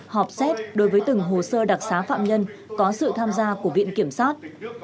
họp xét đối với từng hồ sơ đặc xá phạm nhân có sự tham gia của viện kiểm sát